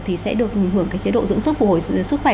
thì sẽ được hưởng cái chế độ dưỡng sức phục hồi sức khỏe